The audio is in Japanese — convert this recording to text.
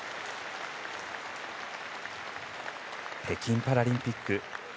北京パラリンピック